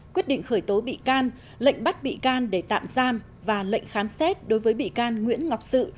quyết định khởi tố bị can lệnh bắt bị can để tạm giam và lệnh khám xét đối với bị can nguyễn ngọc sự